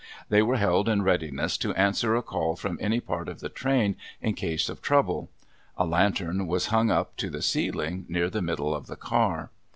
They were held in readiness to answer a call from any part of the train in case of trouble. A lantern was hung up to the ceiling near the middle of the car.